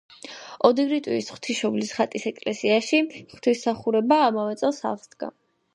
ოდიგიტრიის ღვთისმშობლის ხატის ეკლესიაში ღვთისმსახურება ამავე წელს აღსდგა.